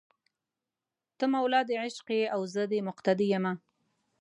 ته مولا دې عشق یې او زه دې مقتدي یمه